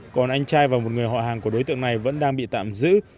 còn anh trai và một người họ hàng của đối tượng này vẫn đang bị tạm giữ